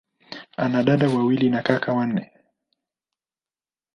Ana dada wawili na kaka wanne.